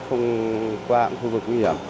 không qua ạm khu vực nguy hiểm